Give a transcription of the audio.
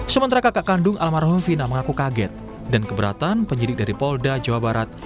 sementara kakak kandung almarhum vina mengaku kaget dan keberatan penyidik dari polda jawa barat